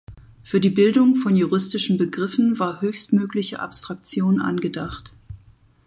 Für die Bildung von juristischen Begriffen war höchstmögliche Abstraktion angedacht.